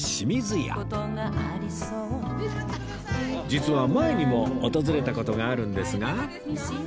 実は前にも訪れた事があるんですが